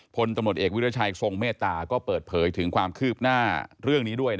พลตำรวจเอกวิรัชัยทรงเมตตาก็เปิดเผยถึงความคืบหน้าเรื่องนี้ด้วย